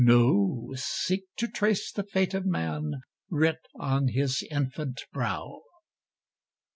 No, seek to trace the fate of man Writ on his infant brow.